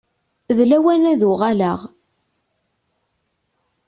D lawan ad uɣaleɣ.